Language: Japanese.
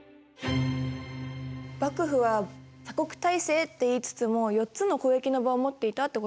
幕府は鎖国体制って言いつつも４つの交易の場を持っていたってことなんですね。